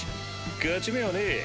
勝ち目はねぇ。